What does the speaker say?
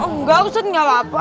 enggak usah nyalah apa